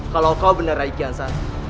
kalau kau benar rakyat kiansantara